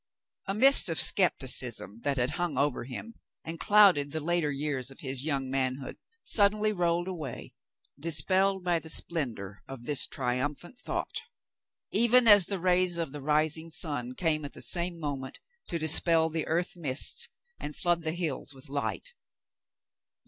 A mist of scepticism that had hung over him and clouded the later years of his young manhood suddenly rolled away, dispelled by the splendor of this triumphant thought, even as the rays of the rising sun came at the same moment to dispel the earth mists and flood the hills with light.